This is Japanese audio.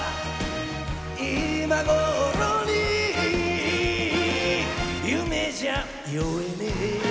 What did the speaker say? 今頃に夢じゃ酔えねぇよ